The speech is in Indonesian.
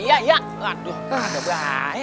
aduh ada beratnya